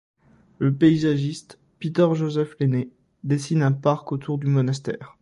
Le paysagiste Peter Joseph Lenné dessine un parc autour du monastère.